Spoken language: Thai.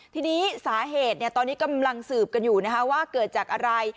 ทีนี้สาเหตุตอนนี้กำลังสืบกันอยู่ว่าเกิดจากอะไร